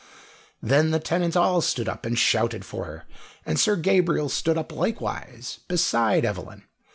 Then the tenants all stood up and shouted for her, and Sir Gabriel stood up likewise, beside Evelyn.